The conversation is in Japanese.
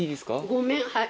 ごめんはい。